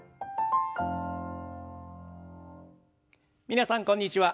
皆さんこんにちは。